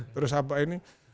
terus apa ini